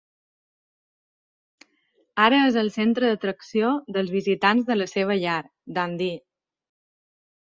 Ara és el centre d'atracció dels visitants de la seva llar, Dundee.